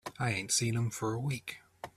I ain't seen him for a week.